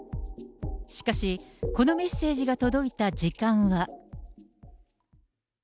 しかし、このメッセージが届いた時間は。